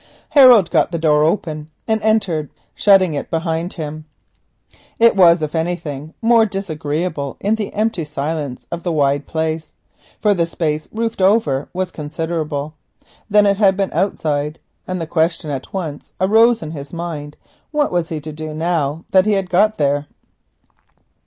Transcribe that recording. Harold pushed the door open and entered, shutting it behind him. It was, if anything, more disagreeable in the empty silence of the wide place than it had been outside, for the space roofed over was considerable, and the question at once arose in his mind, what was he to do now that he had got there?